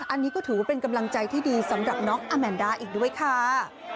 อันนี้ก็ถือว่าเป็นกำลังใจที่ดีสำหรับน้องอแมนดาอีกด้วยค่ะ